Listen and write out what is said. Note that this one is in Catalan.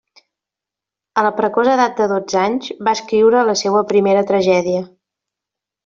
A la precoç edat de dotze anys, va escriure la seua primera tragèdia.